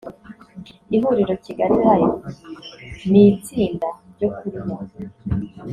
Ihuriro Kigalilife ni itsinda ryo kuri Yahoo